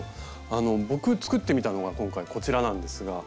あの僕作ってみたのが今回こちらなんですが。